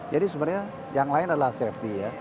jadi sebenarnya yang lain adalah safety ya